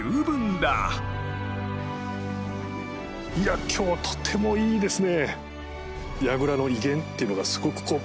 いや今日はとてもいいですね！